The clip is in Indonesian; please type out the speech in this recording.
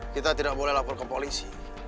kita tidak boleh lapor ke polisi